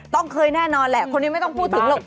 ต้องเคยแน่นอนแหละคนนี้ไม่ต้องพูดถึงหรอก